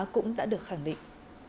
cũng đã được khẳng định